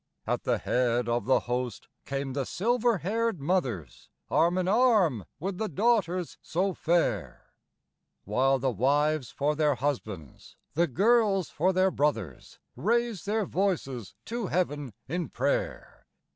At the head of the host came the silver haired mothers, Arm in arm with the daughters so fair; While the wives for their husbands, the girls for their brothers, Raise their voices to heaven in prayer.